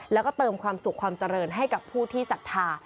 แล้วก็เติมความสุขความเจริญให้กับผู้ที่ศรัทธา